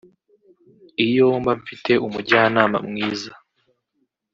iyo mba mfite umujyanama mwiza